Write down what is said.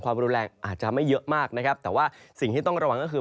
ความรุนแรงอาจจะไม่เยอะมากนะครับแต่ว่าสิ่งที่ต้องระวังก็คือ